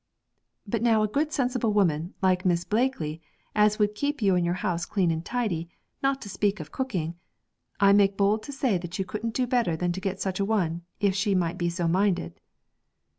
'But now, a good sensible woman, like Miss Blakely, as would keep you and your house clean and tidy, not to speak of cooking I make bold to say you couldn't do better than to get such a one, if she might be so minded.'